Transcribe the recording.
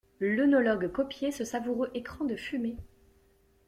L'œnologue copiait ce savoureux écran de fumée.